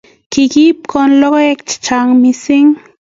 Kakiipwon logoek chechang' missing'